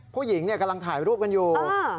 ผู้หญิงกำลังถ่ายรูปกันอยู่